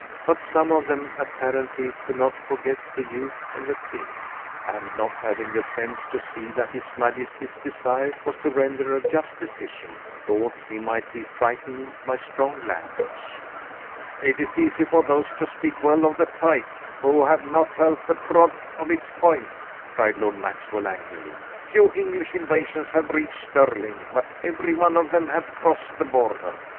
But some of them, apparently, could not forget the youth of the king, and, not having the sense to see that his majesty's desire was to render a just decision, thought he might be frightened by strong language. "It is easy for those to speak well of the pike, who have not felt the prod of its point," cried Lord Maxwell angrily. "Few English invasions have reached Stirling, but every one of them have crossed the Border.